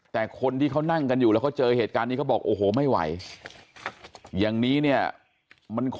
แต่คนที่เขานั่งกันอยู่แล้วเขาเจอเหตุการณ์นี้ก็บอกโอ้โหไม่ไหว